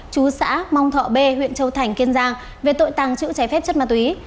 chú xã mong thọ b huyện châu thành kiên giang về tội tàng trữ trái phép chất ma túy